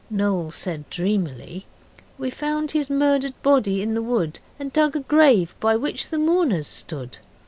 Noel said dreamily 'We found his murdered body in the wood, And dug a grave by which the mourners stood.